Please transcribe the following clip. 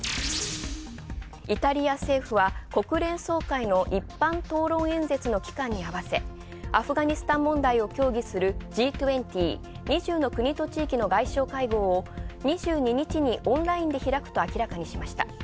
イタリア政府は国連総会の一般討論演説の期間にあわせアフガニスタン問題を協議する、Ｇ２０＝２０の国と地域の外相会合を２２日にオンラインで開くと明らかにしました。